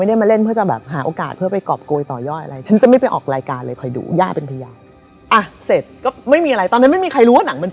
แล้วก็เออก็โอยพรกันไป